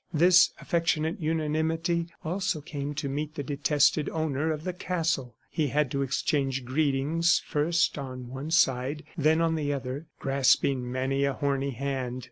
This affectionate unanimity also came to meet the detested owner of the castle. He had to exchange greetings first on one side, then on the other, grasping many a horny hand.